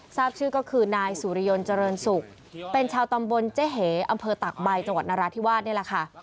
ทราบชื่อก็คือนายสุริยนต์เจริญสุกเป็นชาวตำบลเจเหอำเภอตักใบจังหวัดนราธิวาส